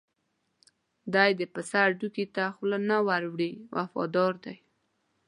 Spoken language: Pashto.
دی د پسه هډوکي ته خوله نه ور وړي وفادار دی.